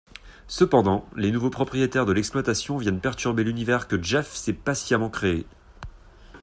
Cependant, les nouveaux propriétaires de l'exploitation viennent perturber l'univers que Jeff s'est patiemment créé.